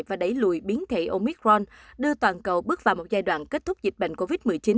và đẩy lùi biến thể omicron đưa toàn cầu bước vào một giai đoạn kết thúc dịch bệnh covid một mươi chín